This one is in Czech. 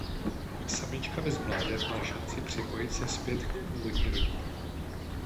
Samička bez mláďat má šanci připojit se zpět k původní rodině.